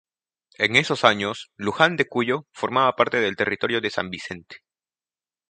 En esos años Luján de Cuyo formaba parte del territorio de San Vicente.